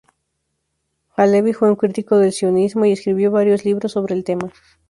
Halevi fue un crítico del sionismo, y escribió varios libros sobre el tema.